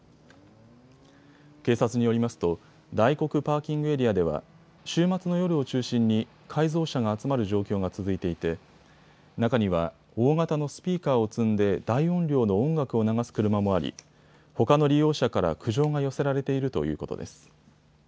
警察によりますと大黒パーキングエリアでは週末の夜を中心に改造車が集まる状況が続いていて中には大型のスピーカーを積んで大音量の音楽を流す車もありほかの利用者から苦情が寄せられているということです。